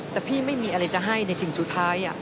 แต่พี่ไม่มีอะไรจะให้ในสิ่งสุดท้าย